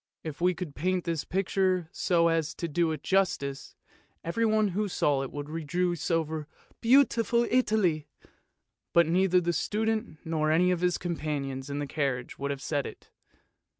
If we could paint this picture so as to do it justice, everyone who saw it would rejoice over '* beautiful Italy! " but neither the student nor any of his com panions in the carriage would have said it.